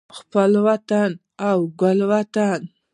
خپل وطن او ګل وطن